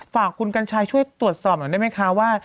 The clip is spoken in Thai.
ฝากคุณกัญชัยช่วยตรวจสอบหน่อยได้ไหมคะว่า